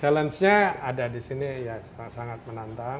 challenge nya ada di sini ya sangat menantang